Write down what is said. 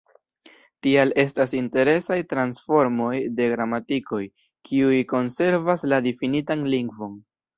Tial estas interesaj transformoj de gramatikoj, kiuj konservas la difinitan lingvon.